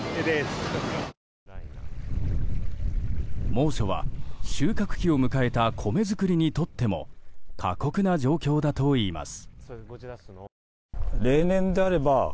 猛暑は収穫期を迎えた米作りにとっても過酷な状況だといいます。